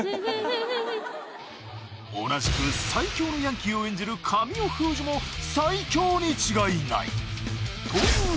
［同じく最強のヤンキーを演じる神尾楓珠も最強に違いない］